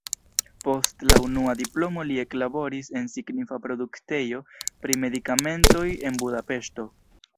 Post la unua diplomo li eklaboris en signifa produktejo pri medikamentoj en Budapeŝto.